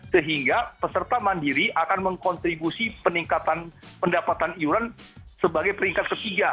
sehingga peserta mandiri akan mengkontribusi pendapatan iuran sebagai peringkat ketiga